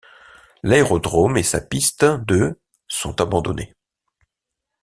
L'aérodrome et sa piste de sont abandonnés.